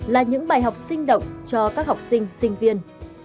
là những bài học sinh động cho các học sinh sinh viên